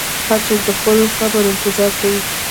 هر څوک د خپل قبر انتظار کوي.